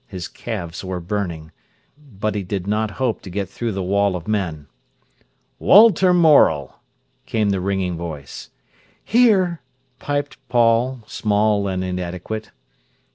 His calves were burning. But he did not hope to get through the wall of men. "Walter Morel!" came the ringing voice. "Here!" piped Paul, small and inadequate.